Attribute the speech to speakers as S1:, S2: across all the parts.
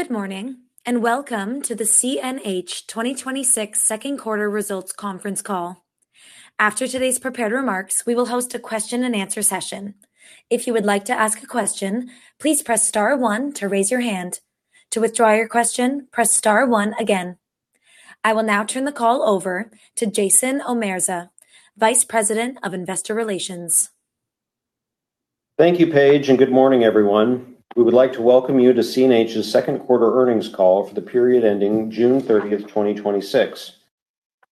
S1: Good morning, and welcome to the CNH 2026 Second Quarter Results Conference Call. After today's prepared remarks, we will host a question and answer session. If you would like to ask a question, please press star one to raise your hand. To withdraw your question, press star one again. I will now turn the call over to Jason Omerza, Vice President of Investor Relations.
S2: Thank you, Paige, and good morning, everyone. We would like to welcome you to CNH's second quarter earnings call for the period ending June 30th, 2026.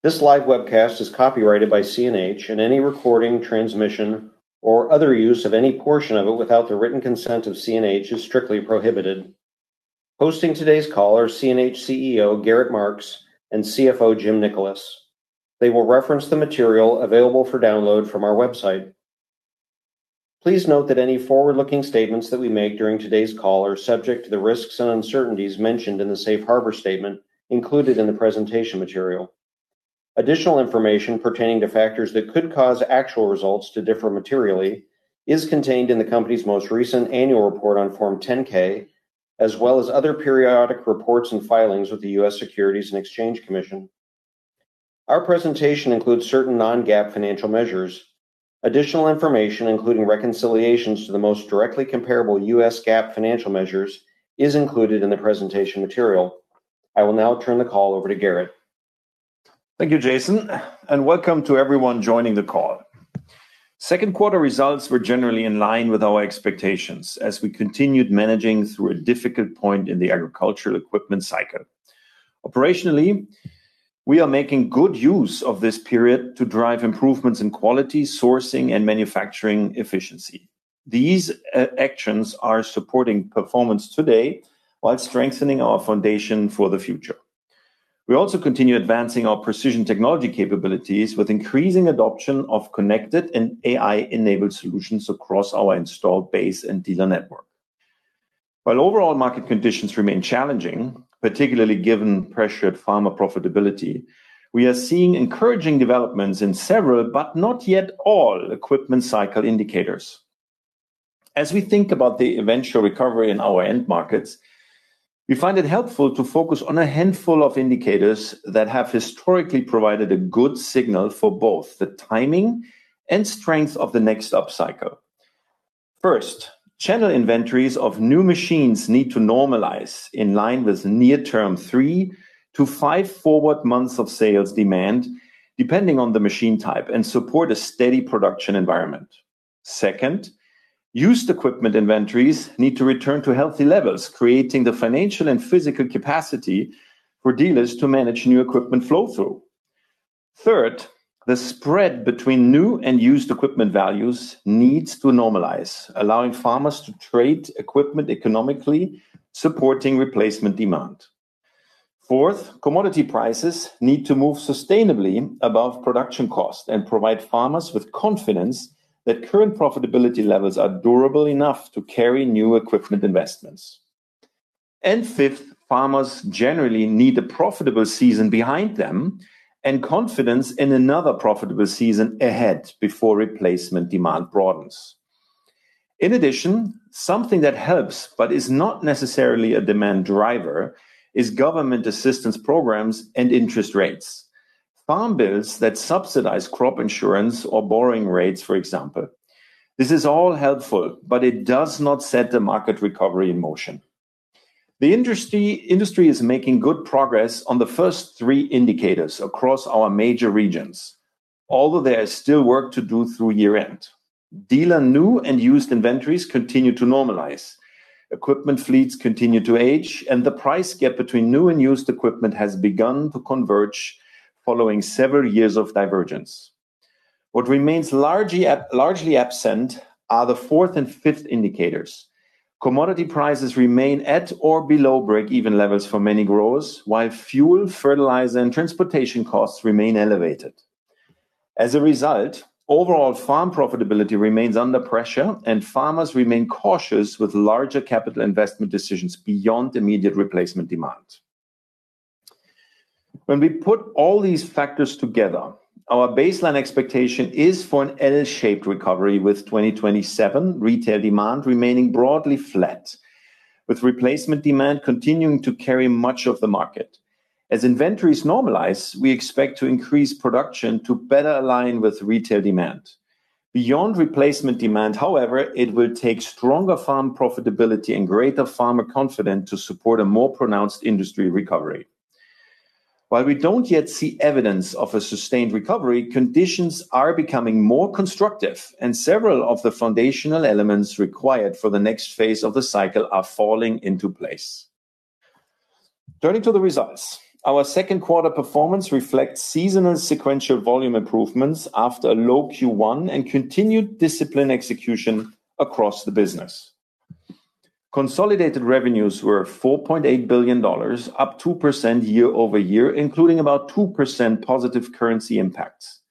S2: This live webcast is copyrighted by CNH, and any recording, transmission, or other use of any portion of it without the written consent of CNH is strictly prohibited. Hosting today's call are CNH CEO, Gerrit Marx, and CFO, Jim Nickolas. They will reference the material available for download from our website. Please note that any forward-looking statements that we make during today's call are subject to the risks and uncertainties mentioned in the safe harbor statement included in the presentation material. Additional information pertaining to factors that could cause actual results to differ materially is contained in the company's most recent annual report on Form 10-K, as well as other periodic reports and filings with the U.S. Securities and Exchange Commission. Our presentation includes certain non-GAAP financial measures. Additional information, including reconciliations to the most directly comparable U.S. GAAP financial measures, is included in the presentation material. I will now turn the call over to Gerrit.
S3: Thank you, Jason, and welcome to everyone joining the call. Second quarter results were generally in line with our expectations as we continued managing through a difficult point in the agricultural equipment cycle. Operationally, we are making good use of this period to drive improvements in quality, sourcing, and manufacturing efficiency. These actions are supporting performance today while strengthening our foundation for the future. We also continue advancing our precision technology capabilities with increasing adoption of connected and AI-enabled solutions across our installed base and dealer network. While overall market conditions remain challenging, particularly given pressured farmer profitability, we are seeing encouraging developments in several, but not yet all, equipment cycle indicators. As we think about the eventual recovery in our end markets, we find it helpful to focus on a handful of indicators that have historically provided a good signal for both the timing and strength of the next up cycle. First, channel inventories of new machines need to normalize in line with near-term three-five forward months of sales demand, depending on the machine type, and support a steady production environment. Second, used equipment inventories need to return to healthy levels, creating the financial and physical capacity for dealers to manage new equipment flow-through. Third, the spread between new and used equipment values needs to normalize, allowing farmers to trade equipment economically, supporting replacement demand. Fourth, commodity prices need to move sustainably above production cost and provide farmers with confidence that current profitability levels are durable enough to carry new equipment investments. Fifth, farmers generally need a profitable season behind them and confidence in another profitable season ahead before replacement demand broadens. In addition, something that helps but is not necessarily a demand driver is government assistance programs and interest rates. Farm bills that subsidize crop insurance or borrowing rates, for example. This is all helpful, but it does not set the market recovery in motion. The industry is making good progress on the three indicators across our major regions, although there is still work to do through year-end. Dealer new and used inventories continue to normalize. Equipment fleets continue to age, and the price gap between new and used equipment has begun to converge following several years of divergence. What remains largely absent are the fourth and fifth indicators. Commodity prices remain at or below break-even levels for many growers, while fuel, fertilizer, and transportation costs remain elevated. As a result, overall farm profitability remains under pressure, and farmers remain cautious with larger capital investment decisions beyond immediate replacement demands. When we put all these factors together, our baseline expectation is for an L-shaped recovery, with 2027 retail demand remaining broadly flat, with replacement demand continuing to carry much of the market. As inventories normalize, we expect to increase production to better align with retail demand. Beyond replacement demand, however, it will take stronger farm profitability and greater farmer confidence to support a more pronounced industry recovery. While we don't yet see evidence of a sustained recovery, conditions are becoming more constructive, and several of the foundational elements required for the next phase of the cycle are falling into place. Turning to the results. Our second quarter performance reflects seasonal sequential volume improvements after a low Q1 and continued disciplined execution across the business. Consolidated revenues were $4.8 billion, up 2% year-over-year, including about 2% positive currency impacts.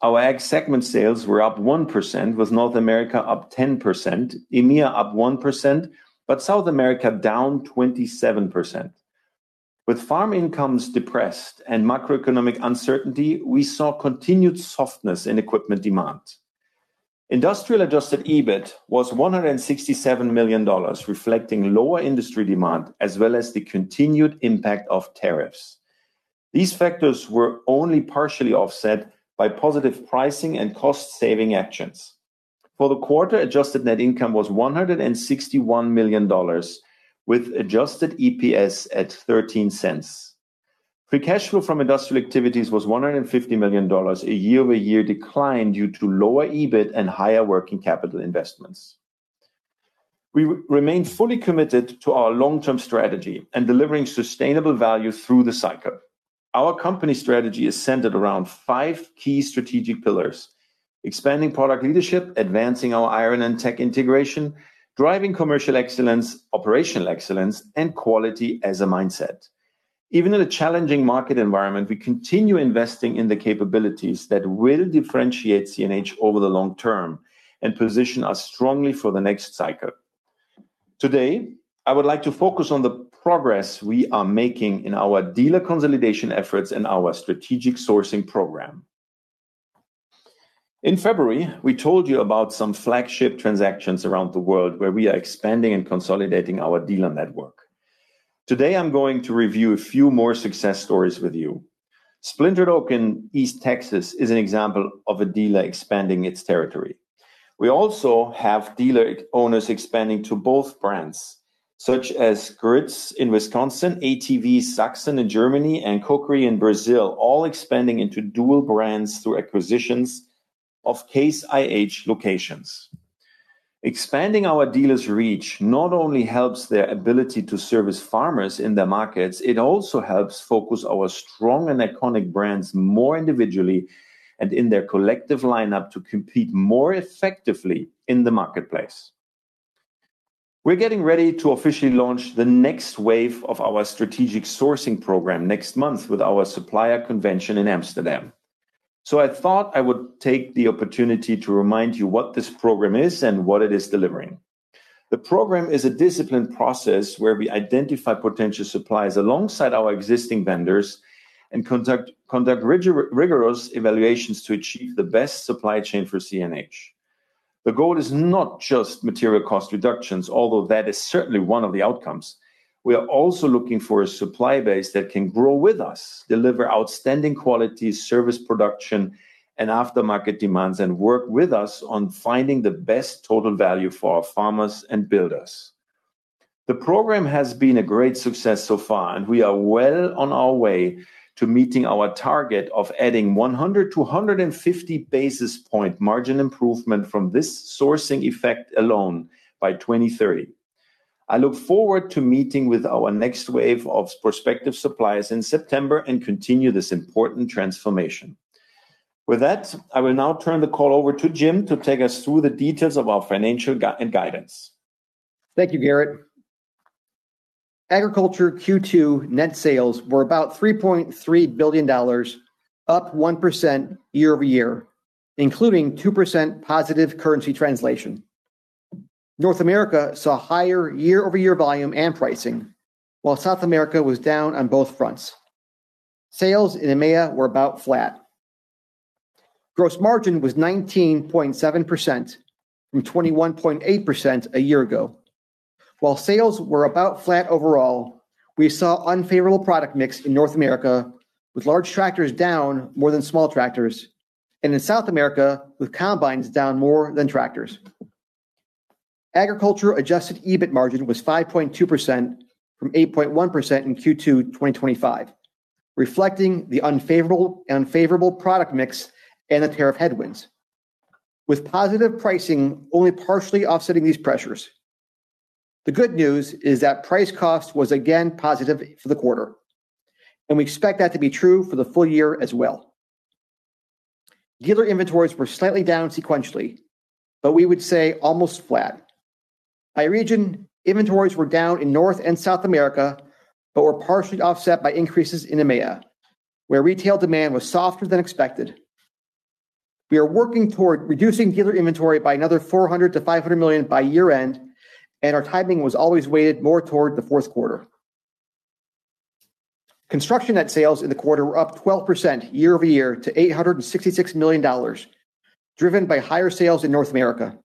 S3: Our Ag segment sales were up 1%, with North America up 10%, EMEA up 1%, but South America down 27%. With farm incomes depressed and macroeconomic uncertainty, we saw continued softness in equipment demand. Industrial adjusted EBIT was $167 million, reflecting lower industry demand as well as the continued impact of tariffs. These factors were only partially offset by positive pricing and cost-saving actions. For the quarter, adjusted net income was $161 million with adjusted EPS at $0.13. Free cash flow from industrial activities was $150 million, a year-over-year decline due to lower EBIT and higher working capital investments. We remain fully committed to our long-term strategy and delivering sustainable value through the cycle. Our company strategy is centered around five key strategic pillars: expanding product leadership, advancing our iron and tech integration, driving commercial excellence, operational excellence, and quality as a mindset. Even in a challenging market environment, we continue investing in the capabilities that will differentiate CNH over the long term and position us strongly for the next cycle. Today, I would like to focus on the progress we are making in our dealer consolidation efforts and our strategic sourcing program. In February, we told you about some flagship transactions around the world where we are expanding and consolidating our dealer network. Today, I am going to review a few more success stories with you. Splintered Oak in East Texas is an example of a dealer expanding its territory. We also have dealer owners expanding to both brands, such as Gruett's in Wisconsin, ATV Sachsen in Germany, and Coqueiro in Brazil, all expanding into dual brands through acquisitions of Case IH locations. Expanding our dealers' reach not only helps their ability to service farmers in their markets, it also helps focus our strong and iconic brands more individually and in their collective lineup to compete more effectively in the marketplace. We are getting ready to officially launch the next wave of our strategic sourcing program next month with our supplier convention in Amsterdam. I thought I would take the opportunity to remind you what this program is and what it is delivering. The program is a disciplined process where we identify potential suppliers alongside our existing vendors and conduct rigorous evaluations to achieve the best supply chain for CNH. The goal is not just material cost reductions, although that is certainly one of the outcomes. We are also looking for a supply base that can grow with us, deliver outstanding quality, service production and aftermarket demands, and work with us on finding the best total value for our farmers and builders. The program has been a great success so far, and we are well on our way to meeting our target of adding 100-150 basis point margin improvement from this sourcing effect alone by 2030. I look forward to meeting with our next wave of prospective suppliers in September and continue this important transformation. With that, I will now turn the call over to Jim to take us through the details of our financial guidance.
S4: Thank you, Gerrit. Agriculture Q2 net sales were about $3.3 billion, up 1% year-over-year, including 2% positive currency translation. North America saw higher year-over-year volume and pricing, while South America was down on both fronts. Sales in EMEA were about flat. Gross margin was 19.7%, from 21.8% a year ago. While sales were about flat overall, we saw unfavorable product mix in North America, with large tractors down more than small tractors, and in South America, with combines down more than tractors. Agriculture adjusted EBIT margin was 5.2%, from 8.1% in Q2 2025, reflecting the unfavorable product mix and the tariff headwinds, with positive pricing only partially offsetting these pressures. The good news is that price cost was again positive for the quarter, and we expect that to be true for the full year as well. Dealer inventories were slightly down sequentially, but we would say almost flat. By region, inventories were down in North and South America, were partially offset by increases in EMEA, where retail demand was softer than expected. We are working toward reducing dealer inventory by another $400 million-$500 million by year-end, and our timing was always weighted more toward the fourth quarter. Construction net sales in the quarter were up 12% year-over-year to $866 million, driven by higher sales in North America.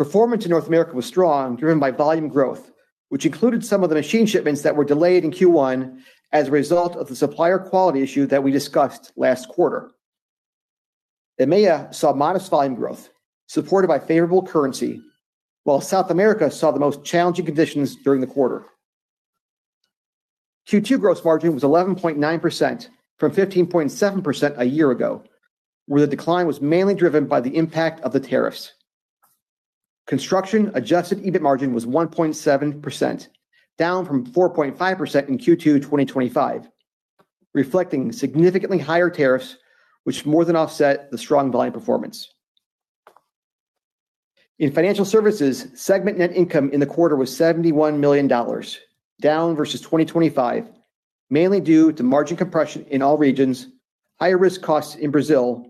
S4: Performance in North America was strong, driven by volume growth, which included some of the machine shipments that were delayed in Q1 as a result of the supplier quality issue that we discussed last quarter. EMEA saw modest volume growth, supported by favorable currency, while South America saw the most challenging conditions during the quarter. Q2 gross margin was 11.9% from 15.7% a year ago, where the decline was mainly driven by the impact of the tariffs. Construction adjusted EBIT margin was 1.7% down from 4.5% in Q2 2025, reflecting significantly higher tariffs, which more than offset the strong volume performance. In financial services, segment net income in the quarter was $71 million, down versus 2025, mainly due to margin compression in all regions, higher risk costs in Brazil,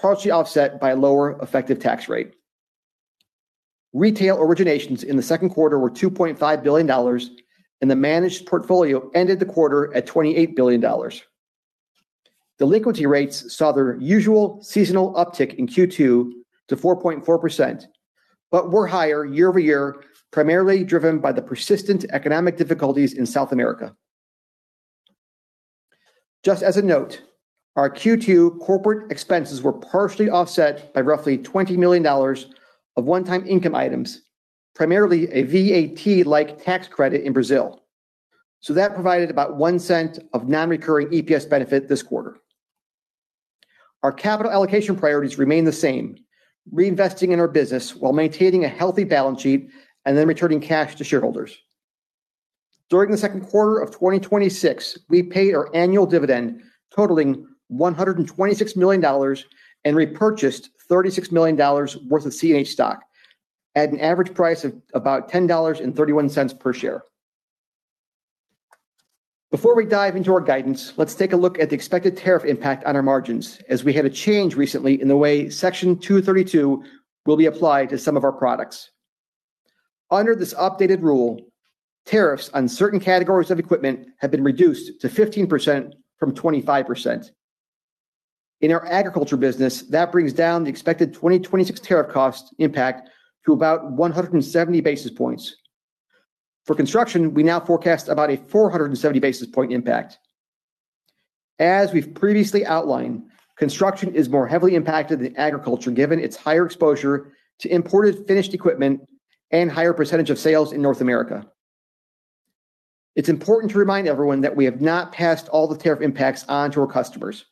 S4: partially offset by a lower effective tax rate. Retail originations in the second quarter were $2.5 billion, and the managed portfolio ended the quarter at $28 billion. Delinquency rates saw their usual seasonal uptick in Q2 to 4.4%, but were higher year-over-year, primarily driven by the persistent economic difficulties in South America. Just as a note, our Q2 corporate expenses were partially offset by roughly $20 million of one-time income items, primarily a VAT-like tax credit in Brazil. That provided about $0.01 of non-recurring EPS benefit this quarter. Our capital allocation priorities remain the same, reinvesting in our business while maintaining a healthy balance sheet and then returning cash to shareholders. During the second quarter of 2026, we paid our annual dividend totaling $126 million and repurchased $36 million worth of CNH stock at an average price of about $10.31 per share. Before we dive into our guidance, let's take a look at the expected tariff impact on our margins, as we had a change recently in the way Section 232 will be applied to some of our products. Under this updated rule, tariffs on certain categories of equipment have been reduced to 15% from 25%. In our agriculture business, that brings down the expected 2026 tariff cost impact to about 170 basis points. For construction, we now forecast about a 470 basis point impact. As we've previously outlined, construction is more heavily impacted than agriculture, given its higher exposure to imported finished equipment and higher percentage of sales in North America. It's important to remind everyone that we have not passed all the tariff impacts on to our customers.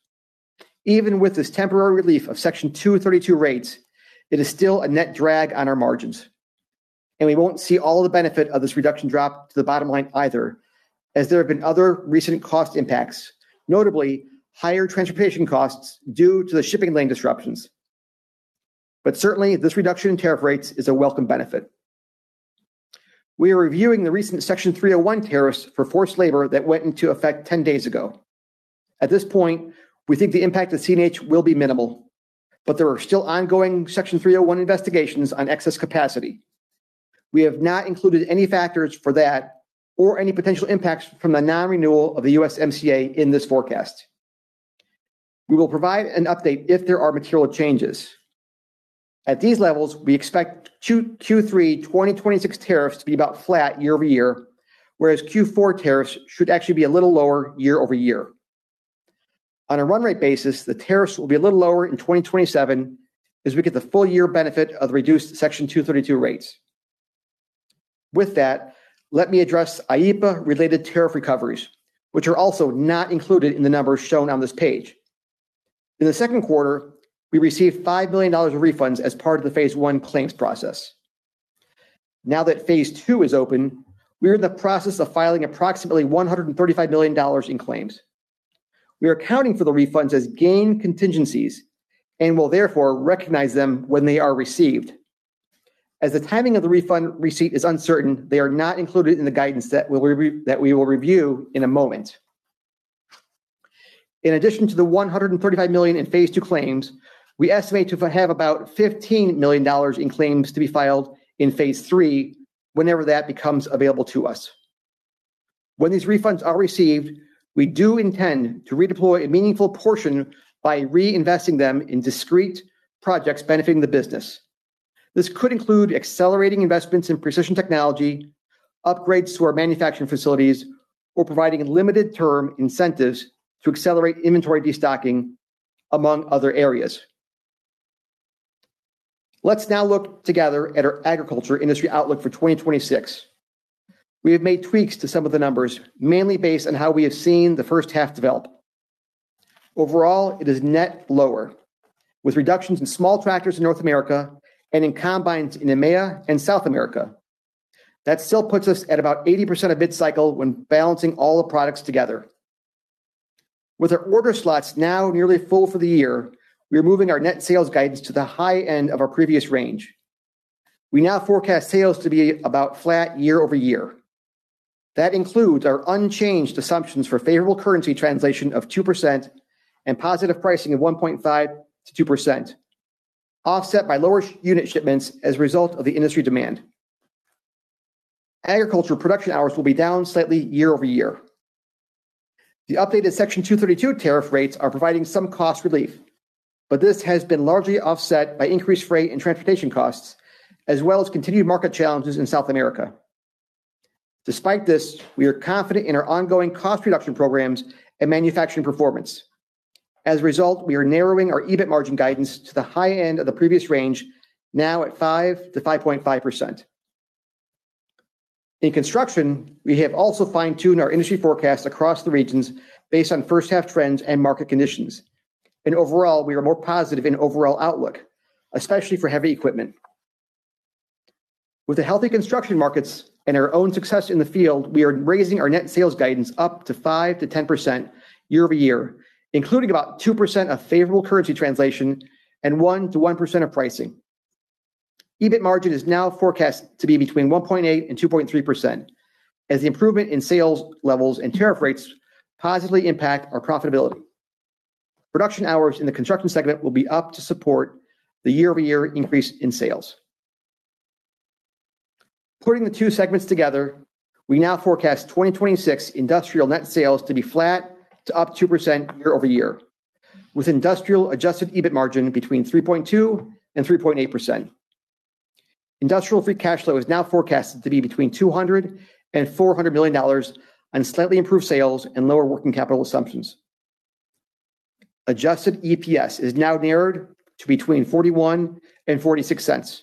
S4: Even with this temporary relief of Section 232 rates, it is still a net drag on our margins, and we won't see all the benefit of this reduction drop to the bottom line either, as there have been other recent cost impacts, notably higher transportation costs due to the shipping lane disruptions. Certainly, this reduction in tariff rates is a welcome benefit. We are reviewing the recent Section 301 tariffs for forced labor that went into effect 10 days ago. At this point, we think the impact to CNH will be minimal, but there are still ongoing Section 301 investigations on excess capacity. We have not included any factors for that or any potential impacts from the non-renewal of the USMCA in this forecast. We will provide an update if there are material changes. At these levels, we expect Q3 2026 tariffs to be about flat year-over-year, whereas Q4 tariffs should actually be a little lower year-over-year. On a run rate basis, the tariffs will be a little lower in 2027 as we get the full year benefit of the reduced Section 232 rates. With that, let me address IEEPA-related tariff recoveries, which are also not included in the numbers shown on this page. In the second quarter, we received $5 million of refunds as part of the phase I claims process. Now that phase II is open, we are in the process of filing approximately $135 million in claims. We are accounting for the refunds as gain contingencies and will therefore recognize them when they are received. As the timing of the refund receipt is uncertain, they are not included in the guidance that we will review in a moment. In addition to the $135 million in phase II claims, we estimate to have about $15 million in claims to be filed in phase III whenever that becomes available to us. When these refunds are received, we do intend to redeploy a meaningful portion by reinvesting them in discrete projects benefiting the business. This could include accelerating investments in precision technology, upgrades to our manufacturing facilities, or providing limited term incentives to accelerate inventory destocking, among other areas. Let's now look together at our agriculture industry outlook for 2026. We have made tweaks to some of the numbers, mainly based on how we have seen the first half develop. Overall, it is net lower, with reductions in small tractors in North America and in combines in EMEA and South America. That still puts us at about 80% of mid-cycle when balancing all the products together. With our order slots now nearly full for the year, we are moving our net sales guidance to the high end of our previous range. We now forecast sales to be about flat year-over-year. That includes our unchanged assumptions for favorable currency translation of 2% and positive pricing of 1.5%-2%, offset by lower unit shipments as a result of the industry demand. Agriculture production hours will be down slightly year-over-year. The updated Section 232 tariff rates are providing some cost relief, but this has been largely offset by increased rate and transportation costs, as well as continued market challenges in South America. Despite this, we are confident in our ongoing cost reduction programs and manufacturing performance. As a result, we are narrowing our EBIT margin guidance to the high end of the previous range, now at 5%-5.5%. Overall, we are more positive in overall outlook, especially for heavy equipment. With the healthy construction markets and our own success in the field, we are raising our net sales guidance up to 5%-10% year-over-year, including about 2% of favorable currency translation and 1% to 1% of pricing. EBIT margin is now forecast to be between 1.8% and 2.3% as the improvement in sales levels and tariff rates positively impact our profitability. Production hours in the construction segment will be up to support the year-over-year increase in sales. Putting the two segments together, we now forecast 2026 industrial net sales to be flat to up 2% year-over-year, with industrial adjusted EBIT margin between 3.2% and 3.8%. Industrial free cash flow is now forecasted to be between $200 million and $400 million on slightly improved sales and lower working capital assumptions. Adjusted EPS is now narrowed to between $0.41 and $0.46.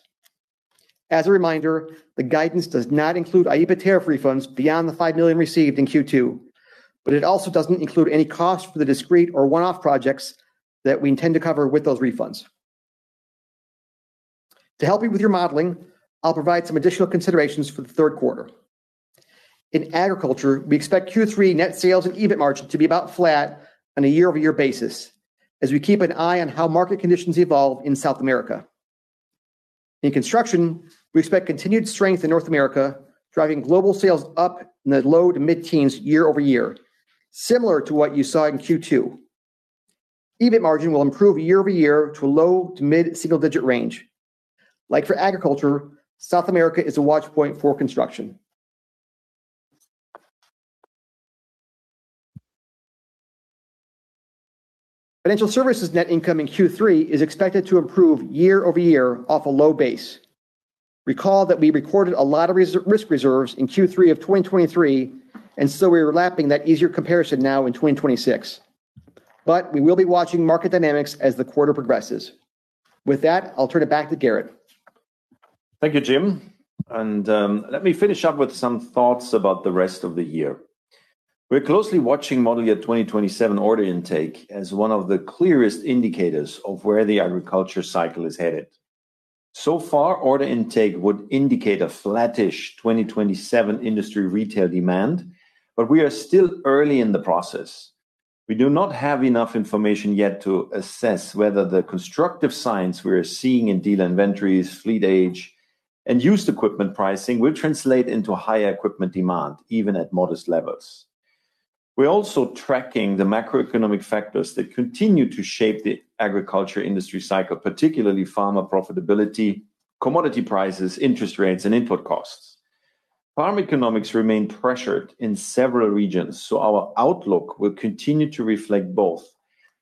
S4: As a reminder, the guidance does not include IEEPA tariff refunds beyond the $5 million received in Q2, but it also doesn't include any cost for the discrete or one-off projects that we intend to cover with those refunds. To help you with your modeling, I'll provide some additional considerations for the third quarter. In agriculture, we expect Q3 net sales and EBIT margin to be about flat on a year-over-year basis as we keep an eye on how market conditions evolve in South America. In construction, we expect continued strength in North America, driving global sales up in the low to mid-teens year-over-year, similar to what you saw in Q2. EBIT margin will improve year-over-year to a low to mid-single-digit range. Like for agriculture, South America is a watch point for construction. Financial services net income in Q3 is expected to improve year-over-year off a low base. Recall that we recorded a lot of risk reserves in Q3 of 2023, so we are lapping that easier comparison now in 2026. We will be watching market dynamics as the quarter progresses. With that, I'll turn it back to Gerrit.
S3: Thank you, Jim. Let me finish up with some thoughts about the rest of the year. We're closely watching model year 2027 order intake as one of the clearest indicators of where the agriculture cycle is headed. So far, order intake would indicate a flattish 2027 industry retail demand, we are still early in the process. We do not have enough information yet to assess whether the constructive signs we are seeing in dealer inventories, fleet age, and used equipment pricing will translate into higher equipment demand, even at modest levels. We're also tracking the macroeconomic factors that continue to shape the agriculture industry cycle, particularly farmer profitability, commodity prices, interest rates, and input costs. Farm economics remain pressured in several regions, our outlook will continue to reflect both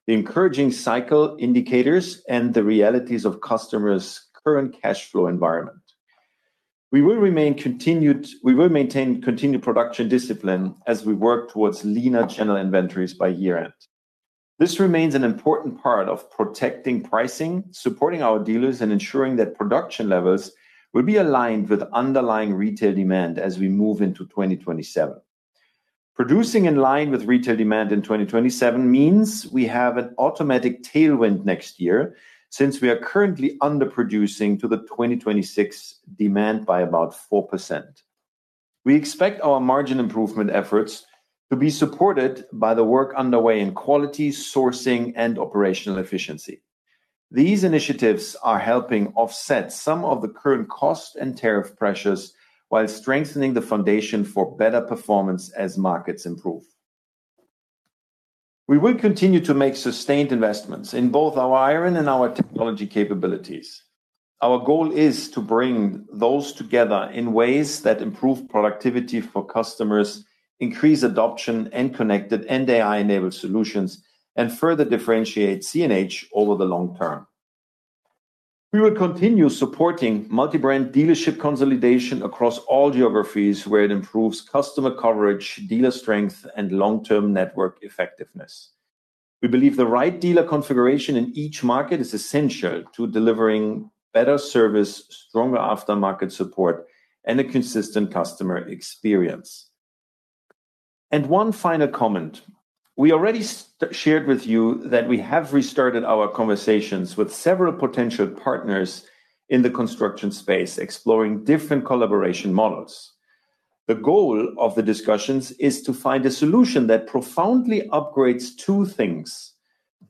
S3: the encouraging cycle indicators and the realities of customers' current cash flow environment. We will maintain continued production discipline as we work towards leaner channel inventories by year-end. This remains an important part of protecting pricing, supporting our dealers, and ensuring that production levels will be aligned with underlying retail demand as we move into 2027. Producing in line with retail demand in 2027 means we have an automatic tailwind next year since we are currently underproducing to the 2026 demand by about 4%. We expect our margin improvement efforts to be supported by the work underway in quality, sourcing, and operational efficiency. These initiatives are helping offset some of the current cost and tariff pressures while strengthening the foundation for better performance as markets improve. We will continue to make sustained investments in both our iron and our technology capabilities. Our goal is to bring those together in ways that improve productivity for customers, increase adoption in connected and AI-enabled solutions, and further differentiate CNH over the long term. We will continue supporting multi-brand dealership consolidation across all geographies where it improves customer coverage, dealer strength, and long-term network effectiveness. We believe the right dealer configuration in each market is essential to delivering better service, stronger aftermarket support, and a consistent customer experience. One final comment. We already shared with you that we have restarted our conversations with several potential partners in the construction space, exploring different collaboration models. The goal of the discussions is to find a solution that profoundly upgrades two things.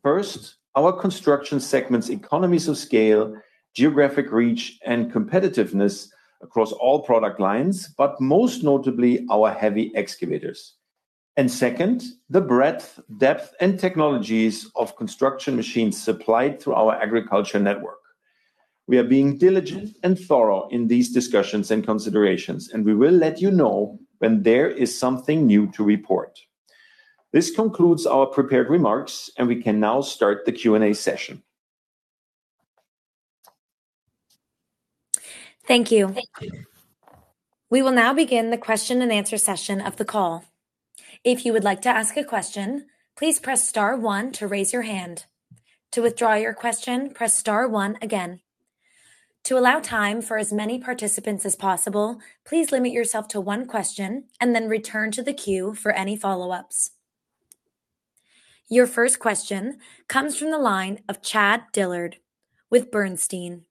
S3: First, our construction segment's economies of scale, geographic reach, and competitiveness across all product lines, but most notably our heavy excavators. Second, the breadth, depth, and technologies of construction machines supplied through our agriculture network. We are being diligent and thorough in these discussions and considerations, and we will let you know when there is something new to report. This concludes our prepared remarks, and we can now start the Q&A session.
S1: Thank you. We will now begin the question and answer session of the call. If you would like to ask a question, please press star one to raise your hand. To withdraw your question, press star one again. To allow time for as many participants as possible, please limit yourself to one question and then return to the queue for any follow-ups. Your first question comes from the line of Chad Dillard with Bernstein.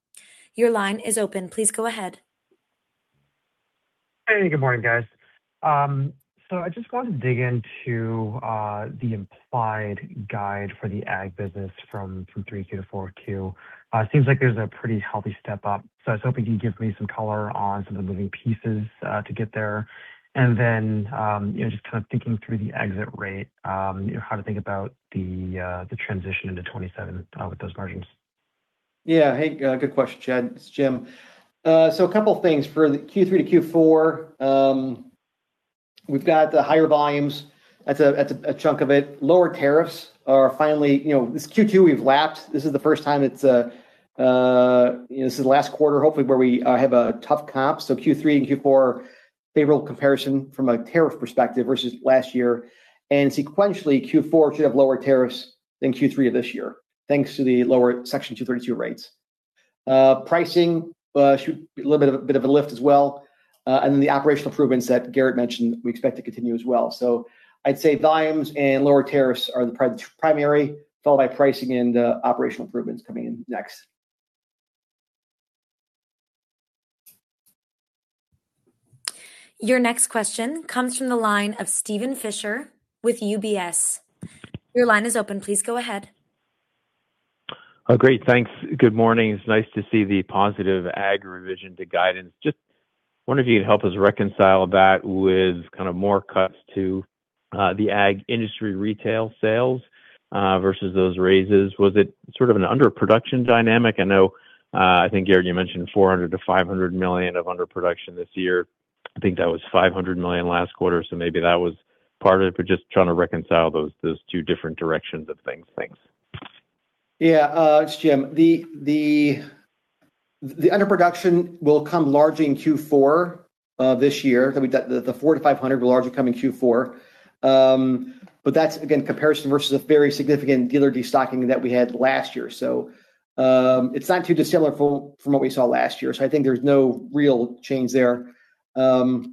S1: Your line is open. Please go ahead.
S5: Hey, good morning, guys. I just wanted to dig into the implied guide for the ag business from 3Q-4Q. It seems like there's a pretty healthy step up, so I was hoping you could give me some color on some of the moving pieces to get there. Then, just kind of thinking through the exit rate, how to think about the transition into 2027 with those margins.
S4: Yeah. Hey, good question, Chad. It is Jim. A couple of things. For the Q3-Q4, we've got the higher volumes. That is a chunk of it. Lower tariffs are finally. This Q2, we've lapsed. This is the first time, this is the last quarter, hopefully, where we have a tough comp. Q3 and Q4, favorable comparison from a tariff perspective versus last year. Sequentially, Q4 should have lower tariffs than Q3 of this year, thanks to the lower Section 232 rates. Pricing should be a little bit of a lift as well. The operational improvements that Gerrit mentioned, we expect to continue as well. I would say volumes and lower tariffs are the primary, followed by pricing and the operational improvements coming in next.
S1: Your next question comes from the line of Steven Fisher with UBS. Your line is open. Please go ahead.
S6: Great, thanks. Good morning. It is nice to see the positive Ag revision to guidance. Wonder if you would help us reconcile that with more cuts to the Ag industry retail sales versus those raises. Was it sort of an underproduction dynamic? I think, Gerrit, you mentioned $400 million to $500 million of underproduction this year. I think that was $500 million last quarter, so maybe that was part of it, but just trying to reconcile those two different directions of things. Thanks.
S4: Yeah. It is Jim. The underproduction will come largely in Q4 this year. The $400 million to $500 million will largely come in Q4. That is, again, comparison versus a very significant dealer destocking that we had last year. I think there is no real change there. The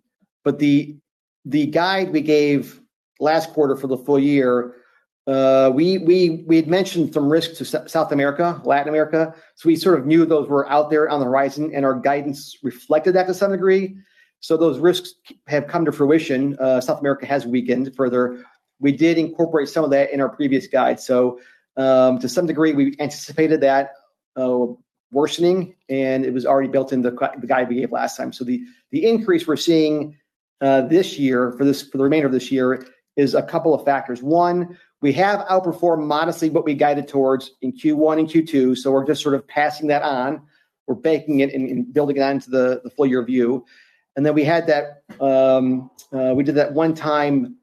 S4: guide we gave last quarter for the full year, we had mentioned some risks to South America, Latin America. We sort of knew those were out there on the horizon, and our guidance reflected that to some degree. Those risks have come to fruition. South America has weakened further. We did incorporate some of that in our previous guide. To some degree, we anticipated that worsening, and it was already built in the guide we gave last time. The increase we're seeing this year, for the remainder of this year, is a couple of factors. One, we have outperformed modestly what we guided towards in Q1 and Q2, so we're just sort of passing that on. We're baking it and building it onto the full-year view. We did that one time,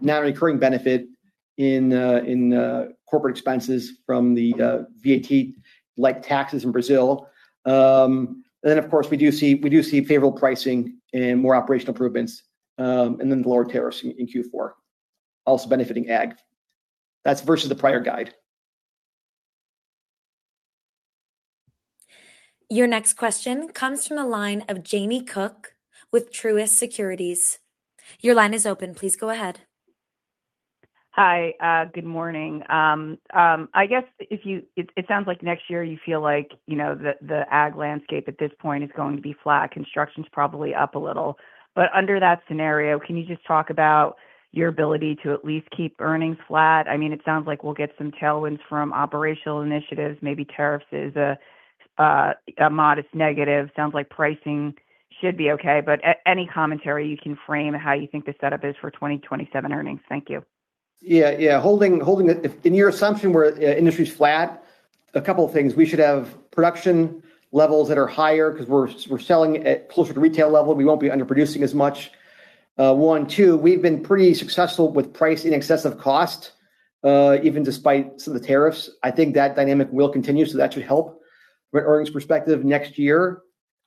S4: non-recurring benefit in corporate expenses from the VAT-like taxes in Brazil. Of course, we do see favorable pricing and more operational improvements, and lower tariffs in Q4, also benefiting Ag. That's versus the prior guide.
S1: Your next question comes from the line of Jamie Cook with Truist Securities. Your line is open. Please go ahead.
S7: Hi. Good morning. I guess it sounds like next year you feel like the Ag landscape at this point is going to be flat. Construction's probably up a little. Under that scenario, can you just talk about your ability to at least keep earnings flat? It sounds like we'll get some tailwinds from operational initiatives, maybe tariffs is a modest negative. Sounds like pricing should be okay, but any commentary you can frame how you think the setup is for 2027 earnings. Thank you.
S4: Yeah. In your assumption, where industry's flat, a couple of things. We should have production levels that are higher because we're selling at closer to retail level. We won't be underproducing as much, one. Two, we've been pretty successful with pricing excessive cost, even despite some of the tariffs. I think that dynamic will continue, so that should help from an earnings perspective next year.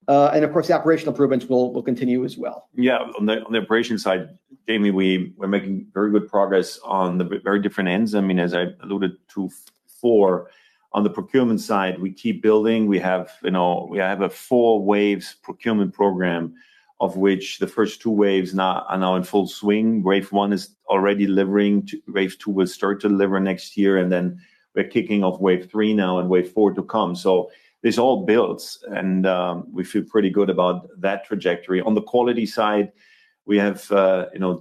S4: Of course, the operational improvements will continue as well.
S3: Yeah. On the operation side, Jamie, we're making very good progress on the very different ends. As I alluded to before, on the procurement side, we keep building. We have a four waves procurement program, of which the first two waves are now in full swing. Wave 1 is already delivering. Wave 2 will start to deliver next year. We're kicking off Wave 3 now and Wave 4 to come. This all builds, and we feel pretty good about that trajectory. On the quality side, we have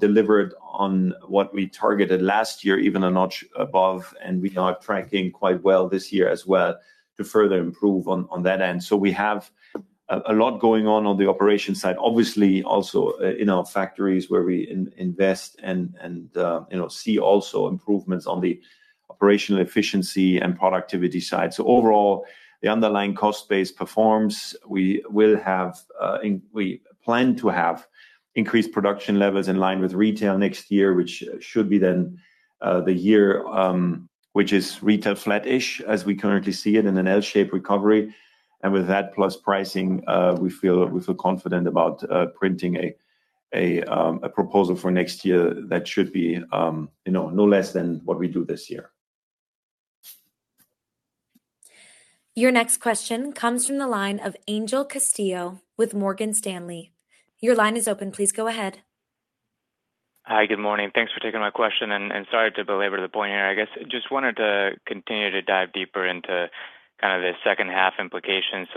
S3: delivered on what we targeted last year, even a notch above, and we are tracking quite well this year as well to further improve on that end. We have a lot going on on the operations side. Obviously, also in our factories where we invest and see also improvements on the operational efficiency and productivity side. Overall, the underlying cost base performs. We plan to have increased production levels in line with retail next year, which should be then the year, which is retail flat-ish as we currently see it in an L-shaped recovery. With that plus pricing, we feel confident about printing a proposal for next year that should be no less than what we do this year.
S1: Your next question comes from the line of Angel Castillo with Morgan Stanley. Your line is open. Please go ahead.
S8: Hi, good morning. Thanks for taking my question. Sorry to belabor the point here. I guess, just wanted to continue to dive deeper into kind of the second half implications.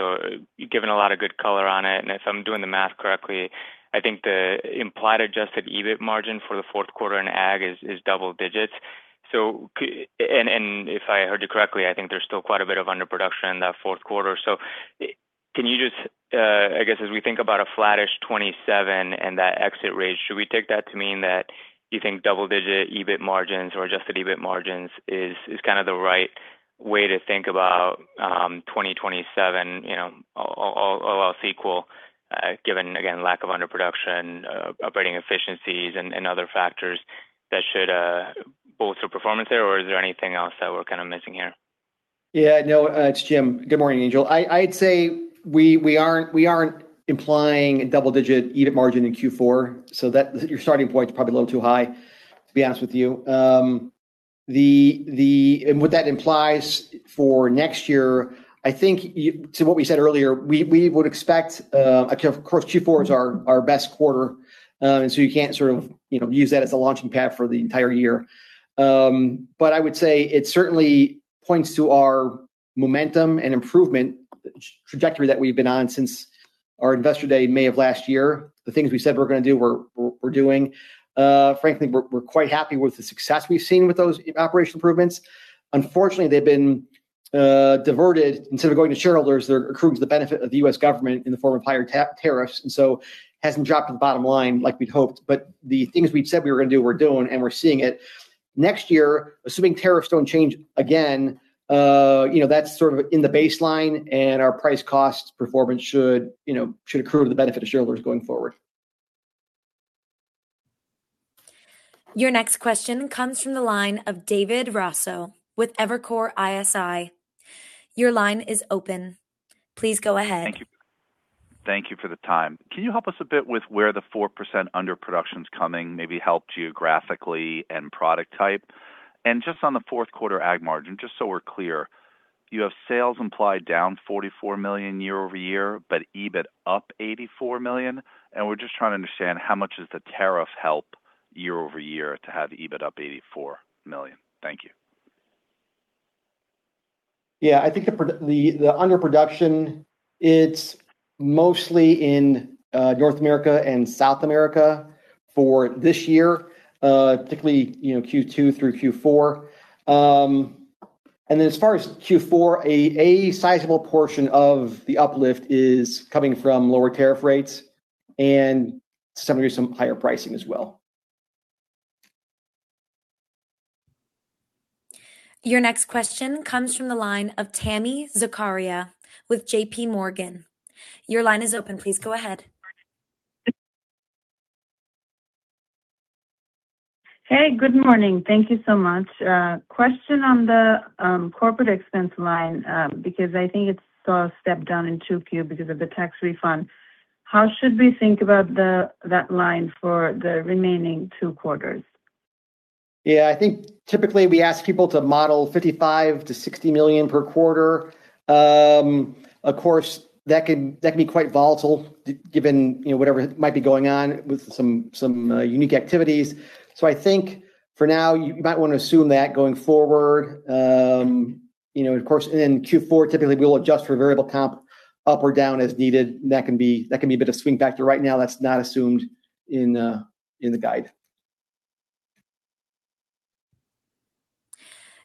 S8: You've given a lot of good color on it, and if I'm doing the math correctly, I think the implied adjusted EBIT margin for the fourth quarter in Ag is double digits. If I heard you correctly, I think there's still quite a bit of underproduction in that fourth quarter. Can you just, I guess as we think about a flattish 2027 and that exit rate, should we take that to mean that you think double-digit EBIT margins or adjusted EBIT margins is the right way to think about 2027, all else equal, given, again, lack of underproduction, operating efficiencies, and other factors that should bolster performance there? Or is there anything else that we're missing here?
S4: Yeah, no. It's Jim. Good morning, Angel. I'd say we aren't implying double-digit EBIT margin in Q4, so your starting point's probably a little too high, to be honest with you. What that implies for next year, I think to what we said earlier, we would expect. Of course, Q4 is our best quarter, and so you can't use that as a launching pad for the entire year. I would say it certainly points to our momentum and improvement trajectory that we've been on since our Investor Day, May of last year. The things we said we're going to do, we're doing. Frankly, we're quite happy with the success we've seen with those operational improvements. Unfortunately, they've been diverted. Instead of going to shareholders, they're accruing to the benefit of the U.S. government in the form of higher tariffs, so hasn't dropped to the bottom line like we'd hoped. The things we said we were going to do, we're doing, and we're seeing it. Next year, assuming tariffs don't change again, that's in the baseline, our price-cost performance should accrue to the benefit of shareholders going forward.
S1: Your next question comes from the line of David Raso with Evercore ISI. Your line is open. Please go ahead.
S9: Thank you. Thank you for the time. Can you help us a bit with where the 4% underproduction's coming, maybe help geographically and product type? Just on the fourth quarter Ag margin, just so we're clear, you have sales implied down $44 million year-over-year, but EBIT up $84 million? We're just trying to understand how much is the tariff help year-over-year to have EBIT up $84 million. Thank you.
S4: Yeah, I think the underproduction, it's mostly in North America and South America for this year, particularly Q2 through Q4. As far as Q4, a sizable portion of the uplift is coming from lower tariff rates and to some degree, some higher pricing as well.
S1: Your next question comes from the line of Tami Zakaria with JPMorgan. Your line is open. Please go ahead.
S10: Hey, good morning. Thank you so much. Question on the corporate expense line, because I think it saw a step down in 2Q because of the tax refund. How should we think about that line for the remaining two quarters?
S4: I think typically we ask people to model $55 million-$60 million per quarter. Of course, that can be quite volatile given whatever might be going on with some unique activities. I think for now, you might want to assume that going forward. Of course, in Q4, typically, we will adjust for variable comp up or down as needed. That can be a bit of swing factor. Right now, that's not assumed in the guide.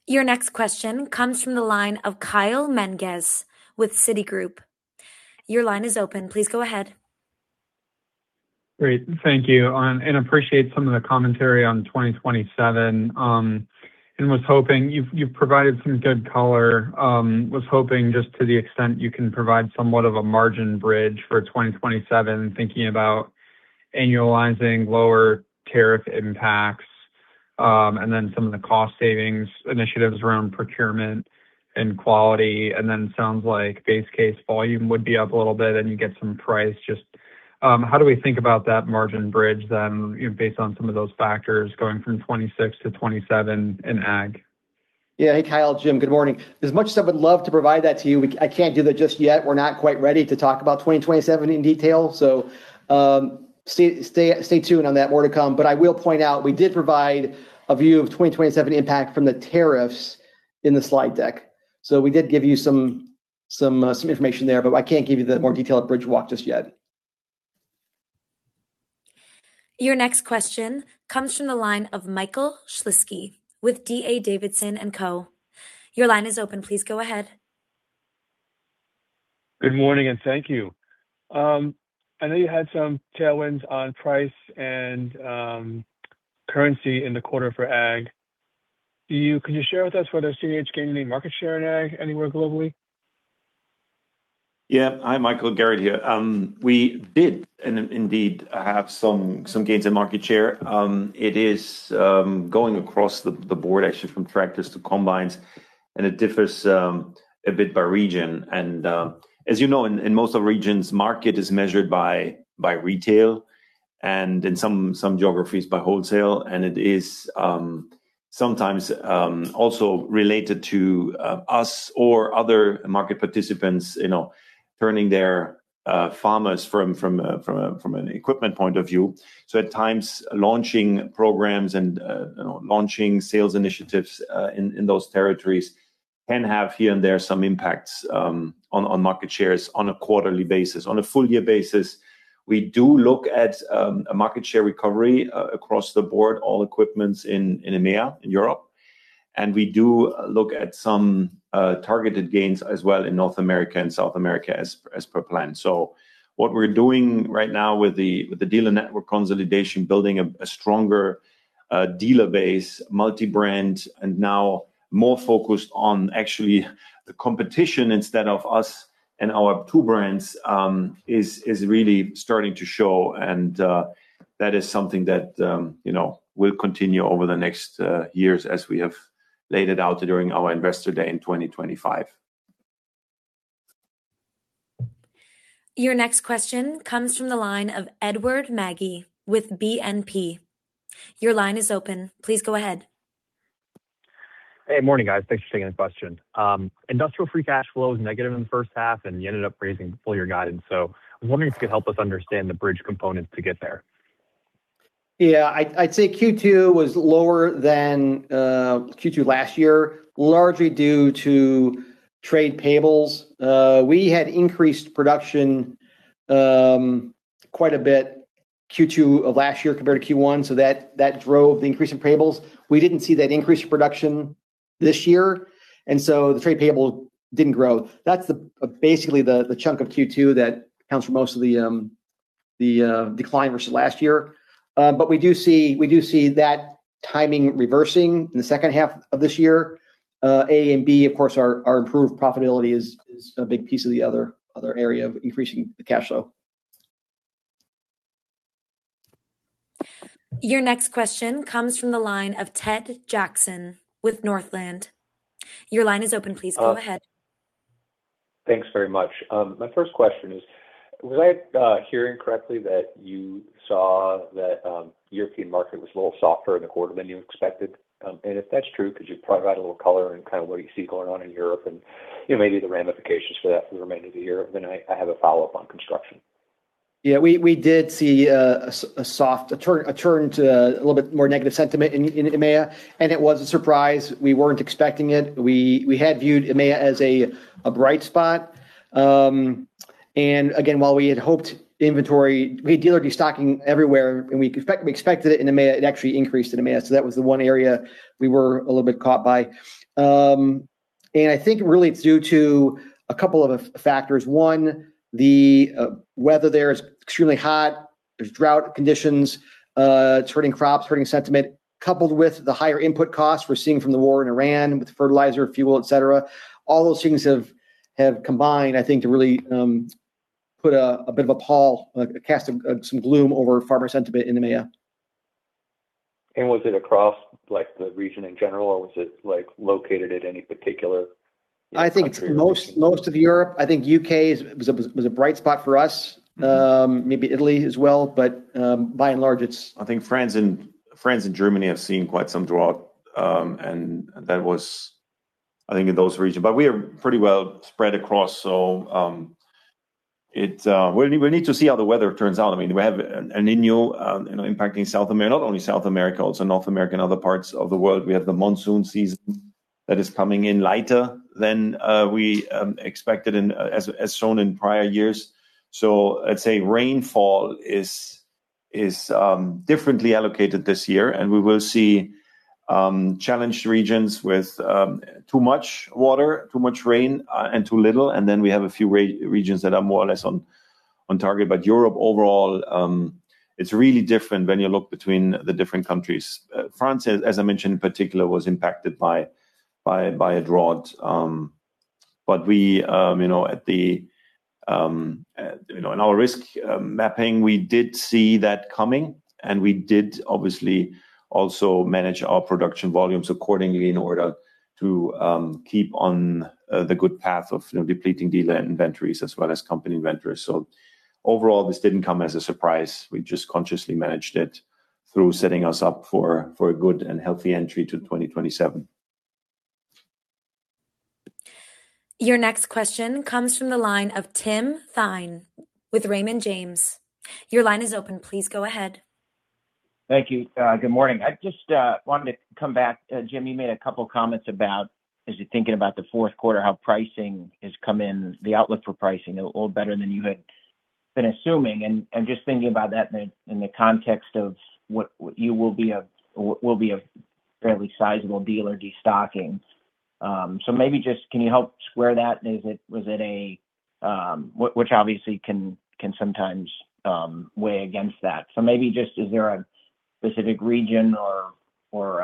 S1: Your next question comes from the line of Kyle Menges with Citigroup. Your line is open. Please go ahead.
S11: Great. Thank you. Appreciate some of the commentary on 2027. You've provided some good color. Was hoping just to the extent you can provide somewhat of a margin bridge for 2027, thinking about annualizing lower tariff impacts, some of the cost savings initiatives around procurement and quality. Sounds like base case volume would be up a little bit and you get some price. Just how do we think about that margin bridge then, based on some of those factors going from 2026 to 2027 in Ag?
S4: Hey, Kyle. It's Jim, good morning. As much as I would love to provide that to you, I can't do that just yet. We're not quite ready to talk about 2027 in detail. Stay tuned on that. More to come. I will point out, we did provide a view of 2027 impact from the tariffs in the slide deck. We did give you some information there, but I can't give you the more detailed bridge walk just yet.
S1: Your next question comes from the line of Michael Shlisky with D.A. Davidson & Co. Your line is open. Please go ahead.
S12: Good morning. Thank you. I know you had some tailwinds on price and currency in the quarter for Ag. Could you share with us whether CNH gained any market share in Ag anywhere globally?
S3: Yeah. Hi, Michael. Gerrit here. We did indeed have some gains in market share. It is going across the board, actually, from tractors to combines. It differs a bit by region. As you know, in most of regions, market is measured by retail and in some geographies by wholesale. It is sometimes also related to us or other market participants turning their farmers from an equipment point of view. At times, launching programs and launching sales initiatives in those territories can have here and there some impacts on market shares on a quarterly basis. On a full year basis, we do look at a market share recovery across the board, all equipments in EMEA, in Europe. We do look at some targeted gains as well in North America and South America as per plan. What we're doing right now with the dealer network consolidation, building a stronger dealer base, multi-brand, and now more focused on actually the competition instead of us and our two brands, is really starting to show, and that is something that will continue over the next years as we have laid it out during our Investor Day in 2025.
S1: Your next question comes from the line of Edward Magi with BNP. Your line is open. Please go ahead.
S13: Hey, morning, guys. Thanks for taking the question. Industrial free cash flow was negative in the first half, and you ended up raising full year guidance. I was wondering if you could help us understand the bridge components to get there.
S4: Yeah. I'd say Q2 was lower than Q2 last year, largely due to trade payables. We had increased production quite a bit Q2 of last year compared to Q1, that drove the increase in payables. We didn't see that increase in production this year, the trade payable didn't grow. That's basically the chunk of Q2 that accounts for most of the decline versus last year. We do see that timing reversing in the second half of this year. A and B, of course, our improved profitability is a big piece of the other area of increasing the cash flow.
S1: Your next question comes from the line of Ted Jackson with Northland. Your line is open. Please go ahead.
S14: Thanks very much. My first question is, was I hearing correctly that you saw that European market was a little softer in the quarter than you expected? If that's true, could you probably add a little color and kind of what you see going on in Europe and maybe the ramifications for that for the remainder of the year? I have a follow-up on construction.
S4: We did see a turn to a little bit more negative sentiment in EMEA, it was a surprise. We weren't expecting it. We had viewed EMEA as a bright spot. While we had hoped inventory, we had dealer destocking everywhere, we expected it in EMEA, it actually increased in EMEA. That was the one area we were a little bit caught by. I think really it's due to a couple of factors. One, the weather there is extremely hot. There's drought conditions. It's hurting crops, hurting sentiment, coupled with the higher input costs we're seeing from the war in Ukraine with fertilizer, fuel, et cetera. All those things have combined, I think, to really put a bit of a pall, cast some gloom over farmer sentiment in EMEA.
S14: Was it across the region in general, or was it located at any particular country or region?
S4: I think it's most of Europe. I think U.K. was a bright spot for us. Maybe Italy as well, by and large, it's.
S3: France and Germany have seen quite some drought in those regions. We are pretty well spread across, we need to see how the weather turns out. We have an El Niño impacting South America. Not only South America, also North America and other parts of the world. We have the monsoon season that is coming in lighter than we expected, as shown in prior years. I'd say rainfall is differently allocated this year, we will see challenged regions with too much water, too much rain and too little, we have a few regions that are more or less on target. Europe overall, it's really different when you look between the different countries. France, as I mentioned, in particular, was impacted by a drought. In our risk mapping, we did see that coming, we did obviously also manage our production volumes accordingly in order to keep on the good path of depleting dealer inventories as well as company inventories. Overall, this didn't come as a surprise. We just consciously managed it through setting us up for a good and healthy entry to 2027.
S1: Your next question comes from the line of Tim Thein with Raymond James. Your line is open. Please go ahead.
S15: Thank you. Good morning. I just wanted to come back. Jim, you made a couple comments about, as you're thinking about the fourth quarter, how pricing has come in, the outlook for pricing, a little better than you had been assuming. Just thinking about that in the context of what will be a fairly sizable dealer destocking. Maybe just can you help square that? Which obviously can sometimes weigh against that. Maybe just, is there a specific region or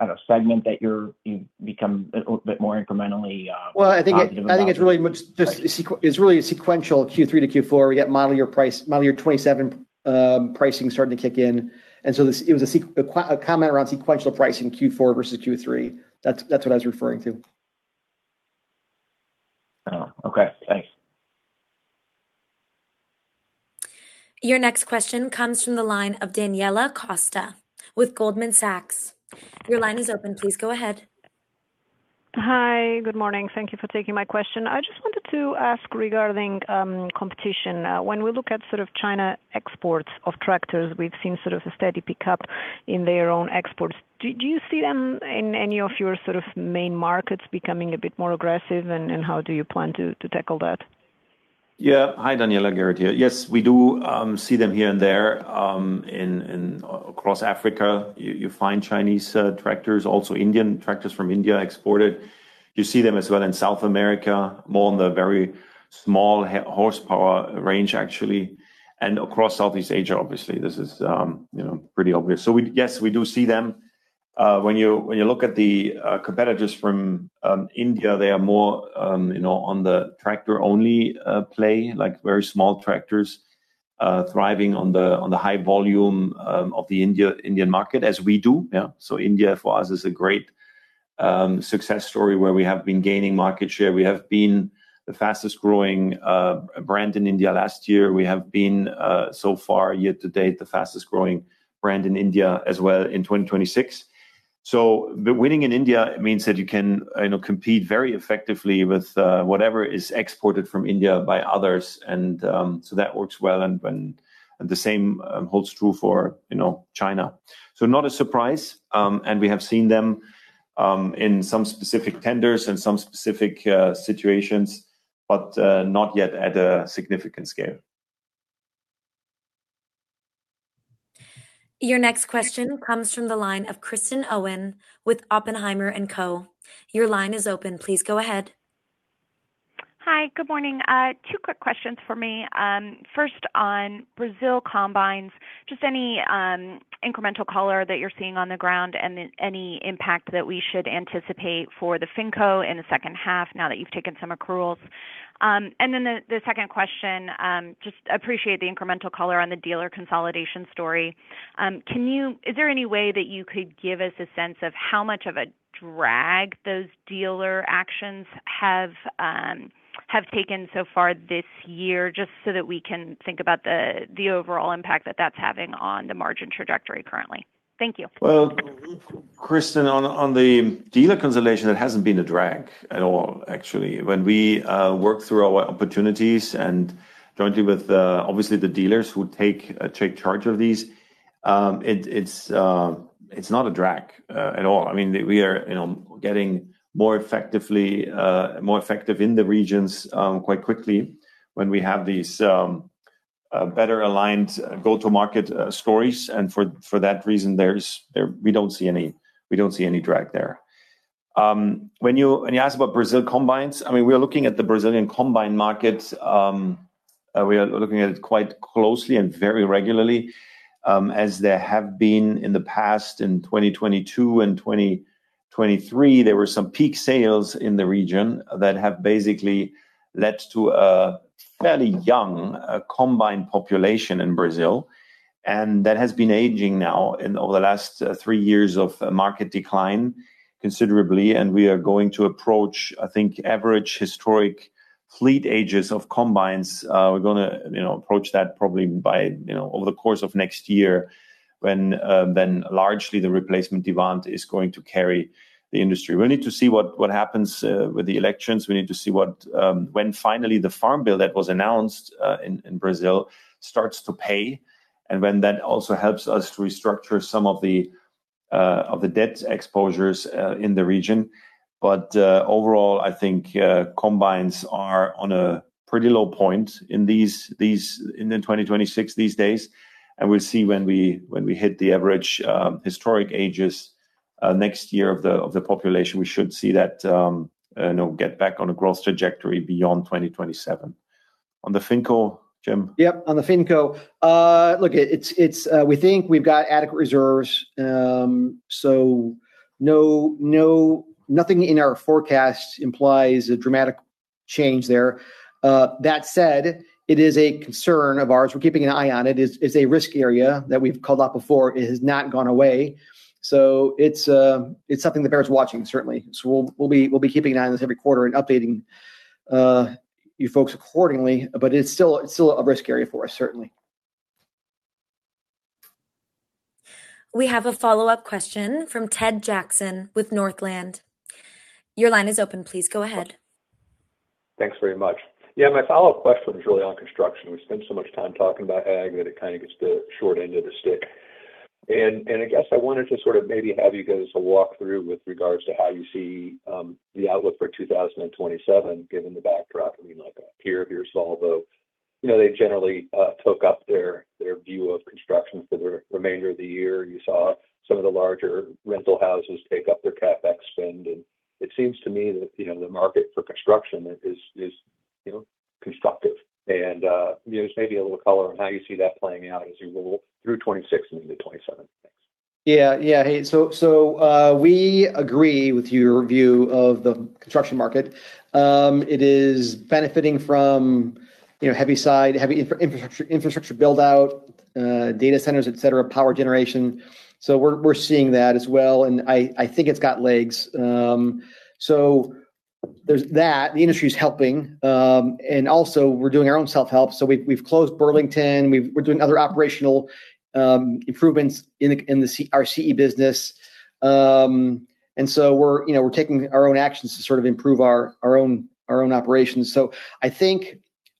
S15: a segment that you've become a little bit more incrementally positive about?
S4: Well, I think it's really sequential Q3-Q4. We got model year 2027 pricing starting to kick in. It was a comment around sequential pricing Q4 versus Q3. That's what I was referring to.
S15: Okay. Thanks.
S1: Your next question comes from the line of Daniela Costa with Goldman Sachs. Your line is open. Please go ahead.
S16: Hi. Good morning. Thank you for taking my question. I just wanted to ask regarding competition. When we look at China exports of tractors, we've seen a steady pickup in their own exports. Do you see them in any of your main markets becoming a bit more aggressive, how do you plan to tackle that?
S3: Hi, Daniela. Gerrit here. Yes, we do see them here and there. Across Africa, you find Chinese tractors, also Indian tractors from India exported. You see them as well in South America, more in the very small horsepower range, actually, and across Southeast Asia, obviously. This is pretty obvious. Yes, we do see them. When you look at the competitors from India, they are more on the tractor-only play, like very small tractors thriving on the high volume of the Indian market, as we do. India, for us, is a great success story where we have been gaining market share. We have been the fastest-growing brand in India last year. We have been, so far, year to date, the fastest-growing brand in India as well in 2026. Winning in India means that you can compete very effectively with whatever is exported from India by others. That works well and the same holds true for China. Not a surprise. We have seen them in some specific tenders, in some specific situations, but not yet at a significant scale.
S1: Your next question comes from the line of Kristen Owen with Oppenheimer & Co. Your line is open. Please go ahead.
S17: Hi. Good morning. Two quick questions for me. First, on Brazil combines. Just any incremental color that you're seeing on the ground, and then any impact that we should anticipate for the Finco in the second half now that you've taken some accruals. The second question, just appreciate the incremental color on the dealer consolidation story. Is there any way that you could give us a sense of how much of a drag those dealer actions have taken so far this year, just so that we can think about the overall impact that that's having on the margin trajectory currently? Thank you.
S3: Well, Kristen, on the dealer consolidation, it hasn't been a drag at all, actually. When we work through our opportunities and jointly with obviously the dealers who take charge of these, it's not a drag at all. We are getting more effective in the regions quite quickly when we have these better-aligned go-to-market stories. For that reason, we don't see any drag there. When you ask about Brazil combines, we are looking at the Brazilian combine market. We are looking at it quite closely and very regularly, as there have been in the past. In 2022 and 2023, there were some peak sales in the region that have basically led to a fairly young combine population in Brazil and that has been aging now over the last three years of market decline considerably. We are going to approach, I think, average historic fleet ages of combines. We're going to approach that probably over the course of next year when largely the replacement demand is going to carry the industry. We need to see what happens with the elections. We need to see when finally the farm bill that was announced in Brazil starts to pay, and when that also helps us to restructure some of the debt exposures in the region. Overall, I think combines are on a pretty low point in 2026 these days. We'll see when we hit the average historic ages next year of the population. We should see that get back on a growth trajectory beyond 2027. On the Finco, Jim?
S4: Yep, on the Finco. Look, we think we've got adequate reserves, nothing in our forecast implies a dramatic change there. That said, it is a concern of ours. We're keeping an eye on it. It's a risk area that we've called out before. It has not gone away. It's something that bears watching, certainly. We'll be keeping an eye on this every quarter and updating you folks accordingly, but it's still a risk area for us, certainly.
S1: We have a follow-up question from Ted Jackson with Northland. Your line is open. Please go ahead.
S14: Thanks very much. My follow-up question is really on construction. We spend so much time talking about ag that it kind of gets the short end of the stick. I guess I wanted to sort of maybe have you guys walk through with regards to how you see the outlook for 2027, given the backdrop. I mean, like a peer of yours, Volvo, they generally took up their view of construction for the remainder of the year. You saw some of the larger rental houses take up their CapEx spend, and it seems to me that the market for construction is constructive and there's maybe a little color on how you see that playing out as we roll through 2026 and into 2027. Thanks.
S4: Yeah. We agree with your view of the construction market. It is benefiting from heavy infrastructure build-out, data centers, et cetera, power generation. We're seeing that as well, and I think it's got legs. There's that. The industry's helping. Also, we're doing our own self-help. We've closed Burlington. We're doing other operational improvements in our CE business. We're taking our own actions to sort of improve our own operations. I think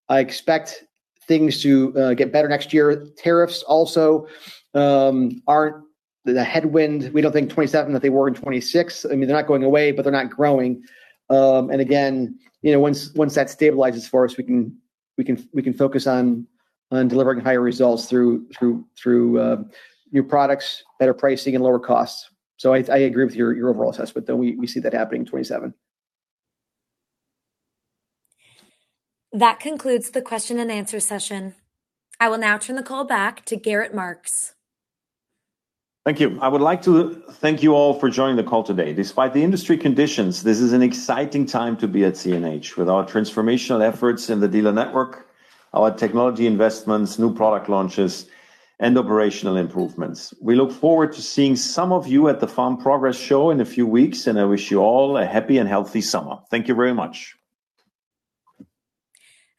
S4: I expect things to get better next year. Tariffs also aren't the headwind, we don't think in 2027 that they were in 2026. I mean, they're not going away, but they're not growing. Again, once that stabilizes for us, we can focus on delivering higher results through new products, better pricing, and lower costs. I agree with your overall assessment that we see that happening in 2027.
S1: That concludes the question and answer session. I will now turn the call back to Gerrit Marx.
S3: Thank you. I would like to thank you all for joining the call today. Despite the industry conditions, this is an exciting time to be at CNH with our transformational efforts in the dealer network, our technology investments, new product launches, and operational improvements. We look forward to seeing some of you at the Farm Progress Show in a few weeks, and I wish you all a happy and healthy summer. Thank you very much.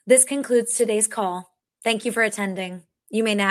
S1: This concludes today's call. Thank you for attending. You may now